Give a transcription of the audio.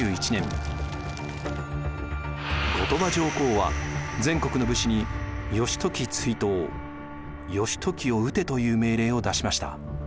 後鳥羽上皇は全国の武士に「義時追討」「義時を討て」という命令を出しました。